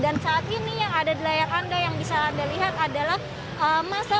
dan saat ini yang ada di layar anda yang bisa anda lihat adalah massa